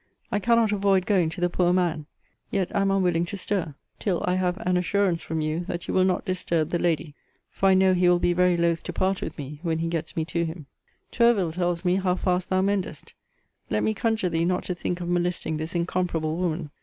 I cannot avoid going to the poor man. Yet am unwilling to stir, till I have an assurance from you that you will not disturb the lady: for I know he will be very loth to part with me, when he gets me to him. Tourville tells me how fast thou mendest: let me conjure thee not to think of molesting this incomparable woman.